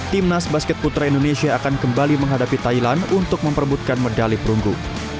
timnas basket putra indonesia akan kembali menghadapi thailand untuk memperbutkan medali perunggu